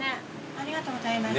ありがとうございます。